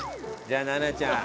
じゃあ菜那ちゃん。